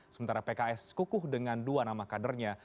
sementara pks kukuh dengan dua nama kadernya